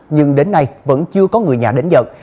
nhưng đến nay vẫn chưa có người nhà đến dật